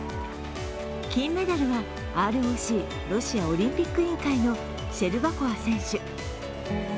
金メダルはＲＯＣ＝ロシアオリンピック委員会のシェルバコワ選手。